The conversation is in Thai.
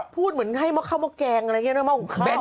พอฉะนั้นหลังกว่ารูปแบบ